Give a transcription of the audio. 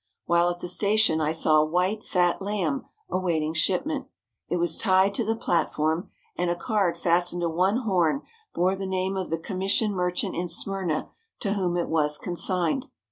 While at the station I saw a white, fat lamb awaiting shipment. It was tied to the platform, and a card fastened to one horn bore the name of the commission merchant in Smyrna to whom it was consigned.